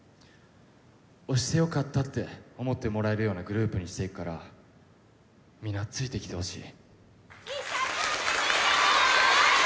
推してよかったって思ってもらえるようなグループにしていくからみんなついてきてほしい。